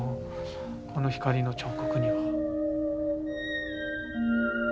この光の彫刻には。